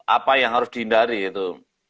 apa yang harus dihindari itu